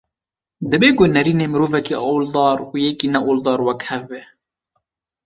Dibe ku nêrîna mirovekî oldar û yekî ne oldar wek hev be